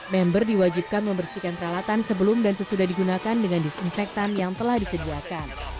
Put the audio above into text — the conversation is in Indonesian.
member diwajibkan membersihkan peralatan sebelum dan sesudah digunakan dengan disinfektan yang telah disediakan